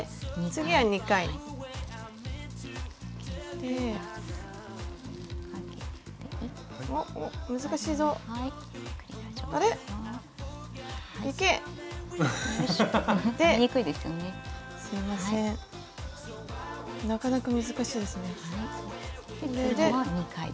次も２回ですね。